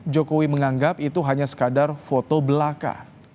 jokowi menganggap itu hanya sekadar foto belaka